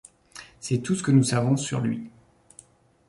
C'est tout ce que nous savons sur lui.